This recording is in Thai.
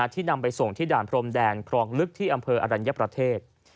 ที่นำไปส่งที่ด่านพรมแดนครองลึกที่อำเภออรัญญประเทศ